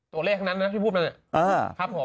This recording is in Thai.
ตัวเลขนั้นนะพี่พูดมาเนี่ย